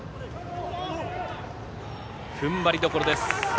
踏ん張りどころです。